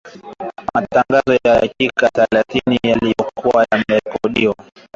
Matangazo ya dakika thelathini yalikuwa yamerekodiwa